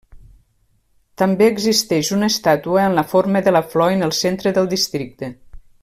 També existeix una estàtua amb la forma de la flor en el centre del districte.